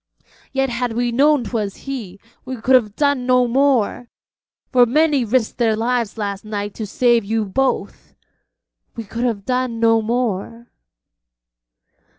Yet had we known 'twas he, we could have done no more, for many risked their lives last night to save you both. We could have done no more.'